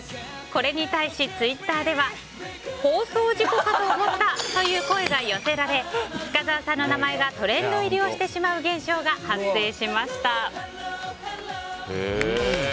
これに対し、ツイッターでは放送事故かと思ったという声が寄せられ深澤さんの名前がトレンド入りをしてしまう現象が発生しました。